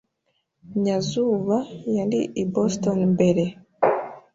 Nyazuba yari i Boston mbere.